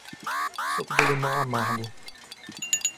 Suco de limão amargo